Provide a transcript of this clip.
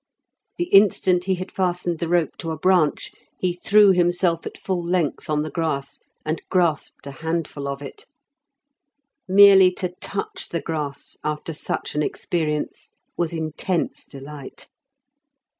The instant he had fastened the rope to a branch, he threw himself at full length on the grass, and grasped a handful of it. Merely to touch the grass after such an experience was intense delight.